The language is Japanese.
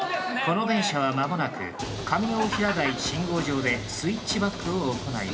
この電車は間もなく上大平台信号場でスイッチバックを行います。